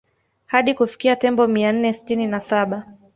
Hadi kufikia Tembo mia nne sitini na saba